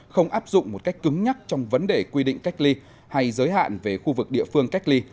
không áp dụng một cách cứng nhắc trong vấn đề quy định cách ly hay giới hạn về khu vực địa phương cách ly